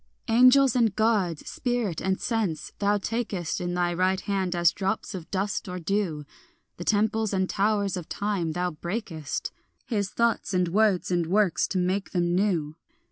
Angels and Gods, spirit and sense, thou takest In thy right hand as drops of dust or dew; The temples and the towers of time thou breakest, His thoughts and words and works, to make them new.